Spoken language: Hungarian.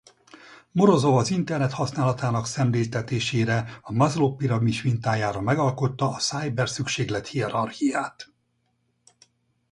Morozov az internet használatának szemléltetésére a Maslow-piramis mintájára megalkotta a szájber-szükséglethierarchiát.